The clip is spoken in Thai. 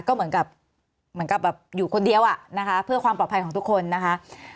ก็เหมือนกับอยู่คนเดียวอะนะคะเพื่อความปลอดภัยของทุกคนนะคะ